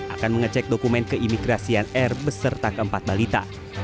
akan mengecek dokumen keimigrasian r beserta keempat balita